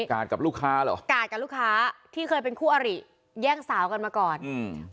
กับลูกค้าเหรอกาดกับลูกค้าที่เคยเป็นคู่อริแย่งสาวกันมาก่อนอืม